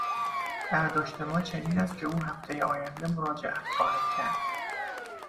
برداشت ما چنین است که او هفتهی آینده مراجعت خواهد کرد.